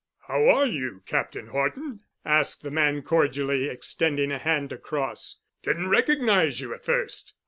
"How are you, Captain Horton?" asked the man cordially, extending a hand across. "Didn't recognize you at first.